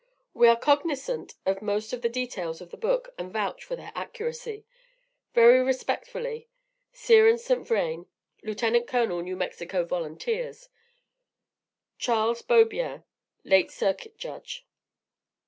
We are cognizant of most of the details of the book, and vouch for their accuracy. Very respectfully, CERAN ST. VRAIN, LIEUT. COL. N.M. VOLUNTEERS. CHARLES BEAUBIEN, LATE CIRCUIT JUDGE.